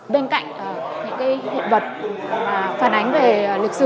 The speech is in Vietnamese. bên cạnh những hiện vật phản ánh về lịch sử